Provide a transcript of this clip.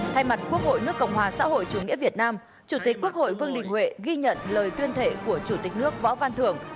thay mặt quốc hội nước cộng hòa xã hội chủ nghĩa việt nam chủ tịch quốc hội vương đình huệ ghi nhận lời tuyên thệ của chủ tịch nước võ văn thưởng